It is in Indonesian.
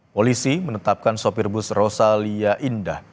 polisi menetapkan sopir bus rosalia indah